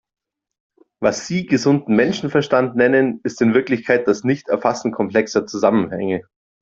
Was Sie gesunden Menschenverstand nennen, ist in Wirklichkeit das Nichterfassen komplexer Zusammenhänge.